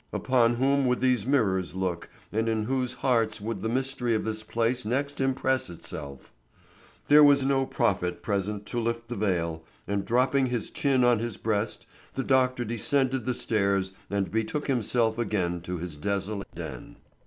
Upon whom would these mirrors look and in whose hearts would the mystery of this place next impress itself? There was no prophet present to lift the veil, and dropping his chin on his breast the doctor descended the stairs and betook himself again to his desolate den.